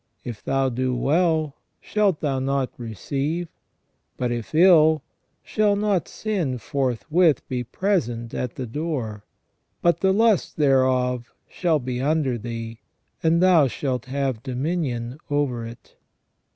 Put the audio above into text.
If thou do well, shalt thou not receive ? But if ill, shall not sin forthwith be present at the door ? But the lust thereof shall be under thee, and thou shalt have dominion over it."